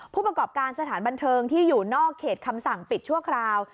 ผู้ประกอบการสถานบันเทิงที่อยู่นอกเขตคำสั่งปิดชั่วคราว